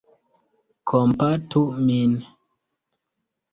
Kompatu min!